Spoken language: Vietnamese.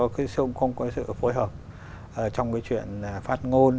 không có sự phối hợp trong cái chuyện phát ngôn